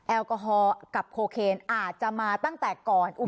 แอลกอฮอล์กับโคเคนอาจจะมาตั้งแต่ก่อนอุบัติเหตุ